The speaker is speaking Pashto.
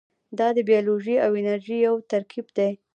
دا د بیولوژي او انجنیری یو ترکیب دی.